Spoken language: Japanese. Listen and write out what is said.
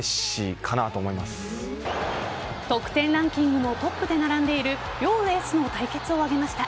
得点ランキングのトップで並んでいる両エースの対決を挙げました。